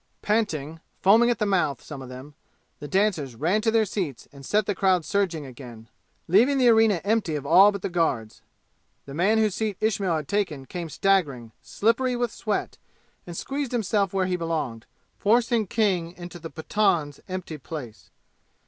Panting foaming at the mouth, some of them the dancers ran to their seats and set the crowd surging again, leaving the arena empty of all but the guards. The man whose seat Ismail had taken came staggering, slippery with sweat, and squeezed himself where he belonged, forcing King into the Pathan's empty place.